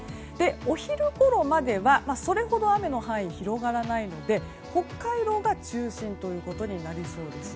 お昼ごろまではそれほど雨の範囲は広がらないので北海道が中心ということになりそうです。